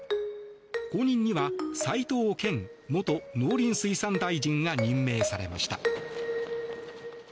後任には齋藤健元農林水産大臣が任命されました。